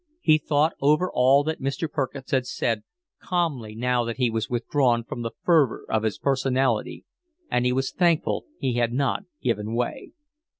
He thought over all that Mr. Perkins had said, calmly now that he was withdrawn from the fervour of his personality, and he was thankful he had not given way.